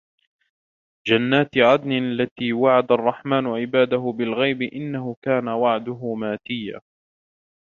جَنَّاتِ عَدْنٍ الَّتِي وَعَدَ الرَّحْمَنُ عِبَادَهُ بِالْغَيْبِ إِنَّهُ كَانَ وَعْدُهُ مَأْتِيًّا